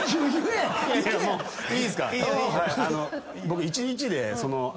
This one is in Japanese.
僕１日で。